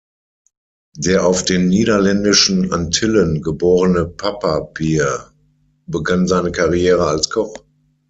Der auf den Niederländischen Antillen geborene Pappa Bear begann seine Karriere als Koch.